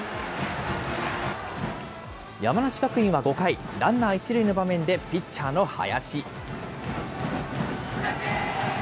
山梨学院は５回、ランナー１塁の場面でピッチャーの林。